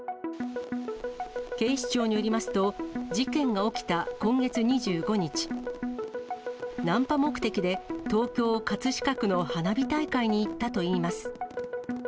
警視庁によりますと、事件が起きた今月２５日、ナンパ目的で、東京・葛飾区の花火大会に行ったといいます。